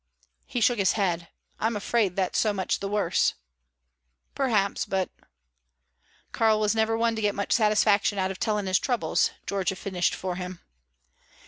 He shook his head. "I'm afraid that's so much the worse." "Perhaps, but " "Karl never was one to get much satisfaction out of telling his troubles," Georgia finished for him.